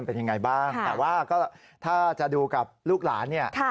เป็นยังไงบ้างแต่ว่าก็ถ้าจะดูกับลูกหลานเนี่ย